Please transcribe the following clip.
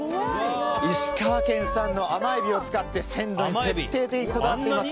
石川県産の甘海老を使って鮮度に徹底的にこだわっています。